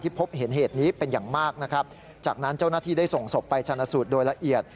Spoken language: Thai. พบเห็นเหตุนี้เป็นอย่างมากนะครับจากนั้นเจ้าหน้าที่ได้ส่งศพไปชนะสูตรโดยละเอียด